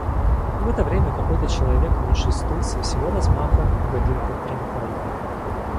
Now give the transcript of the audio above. В это время какой-то человек, нёсший стул, со всего размаха угодил под трамвай.